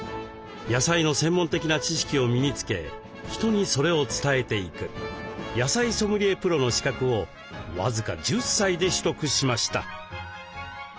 野菜の専門的な知識を身につけ人にそれを伝えていく野菜ソムリエプロの資格を僅か１０歳で取得しました。